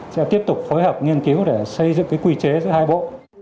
sẽ tiếp tục phối hợp nghiên cứu để xây dựng cái quy chế giữa hai bộ